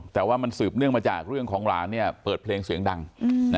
แต่ว่ามันสืบเนื่องมาจากเรื่องของหลานเปิดเพลงเสียงดัง